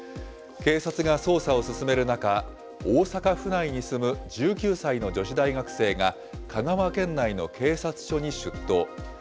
警察が捜査を進める中、大阪府内に住む１９歳の女子大学生が、香川県内の警察署に出頭。